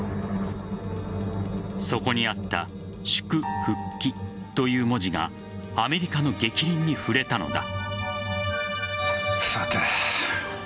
そこにあった祝復帰という文字がアメリカの逆鱗に触れたのだ。